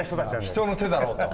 人の手だろうと。